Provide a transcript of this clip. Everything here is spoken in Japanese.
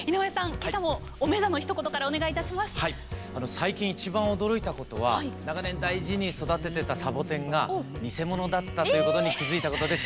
最近一番驚いたことは長年大事に育ててたサボテンが偽物だったということに気付いたことです。